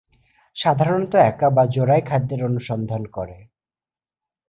সাধারণত একা বা জোড়ায় খাদ্যের অনুসন্ধান করে।